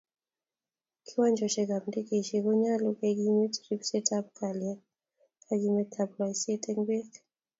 Kiwanjosyekab ndegeisyek konyolu kekimit ribseetab kalyet kakimitetab loiseet eng beek.